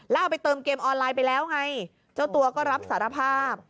แล้วเอาไปเติมเกมออนไลน์ไปแล้วไงเจ้าตัวก็รับสารภาพ